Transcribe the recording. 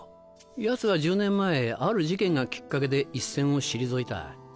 ヤツは１０年前ある事件がきっかけで一線を退いた。